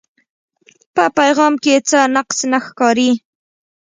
پۀ پېغام کښې څۀ نقص نۀ ښکاري